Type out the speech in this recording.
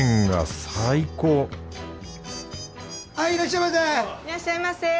はいいらっしゃいませ！